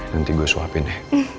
nanti gue suapin ya